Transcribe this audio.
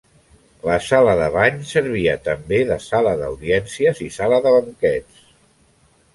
La sala de bany servia també de sala d'audiències i sala de banquets.